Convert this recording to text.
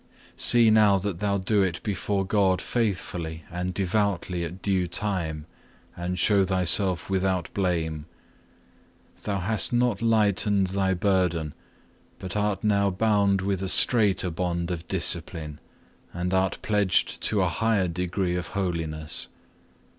See now that thou do it before God faithfully and devoutly at due time, and shew thyself without blame. Thou hast not lightened thy burden, but art now bound with a straiter bond of discipline, and art pledged to a higher degree of holiness.